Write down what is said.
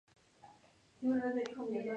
Suele darse misa.